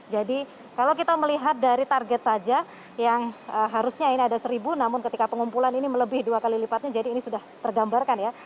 jadi kalau kita melihat dari target saja yang harusnya ini ada seribu namun ketika pengumpulan ini melebih dua kali lipatnya jadi ini sudah tergambarkan ya